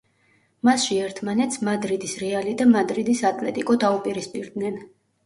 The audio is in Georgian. მასში ერთმანეთს მადრიდის „რეალი“ და მადრიდის „ატლეტიკო“ დაუპირისპირდნენ.